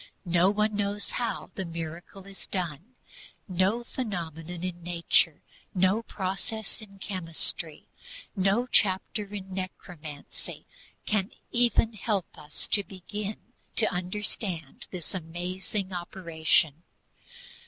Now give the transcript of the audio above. No one knows how the miracle is done. No phenomenon in nature, no process in chemistry, no chapter in necromancy can ever help us to begin to understand this amazing operation.